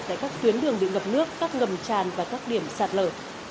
tại các tuyến đường bị ngập nước các ngầm tràn và các điểm sạt lở